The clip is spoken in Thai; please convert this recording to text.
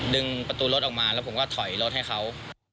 ดึงประตูรถออกมาแล้วผมก็ถอยรถให้เขา